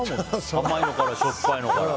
甘いのからしょっぱいのから。